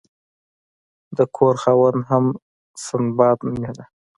د کور خاوند هم سنباد نومیده.